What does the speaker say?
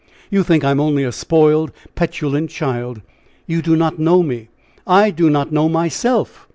You think I'm only a spoiled, petulant child! You do not know me! I do not know myself!